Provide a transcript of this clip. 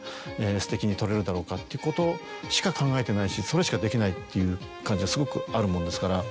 っていうことしか考えてないしそれしかできないっていう感じはすごくあるもんですから。